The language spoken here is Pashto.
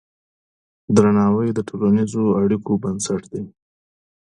درناوی د ټولنیزو اړیکو بنسټ دی.